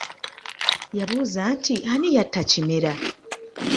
Yabuuza nti ani yatta Kimera?